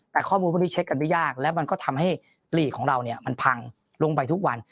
แต่ข้อมูลพวกนี้เช็คกันไม่ยากและมันก็ทำให้หลีกของเราเนี่ยมันพังลงไปทุกวัน